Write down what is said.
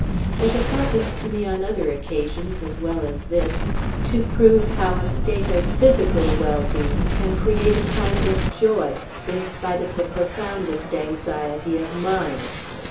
It has happened to me on other occasions, as well as this, to prove how a state of physical well being can create a kind of joy, in spite of the profoundest anxiety of mind.